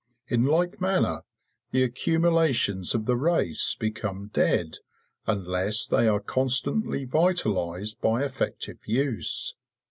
In like manner the accumulations of the race become dead unless they are constantly vitalised by effective use.